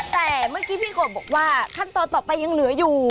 แต่เมื่อกี้พี่กบบอกว่าขั้นตอนต่อไปยังเหลืออยู่